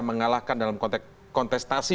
mengalahkan dalam konteks kontestasi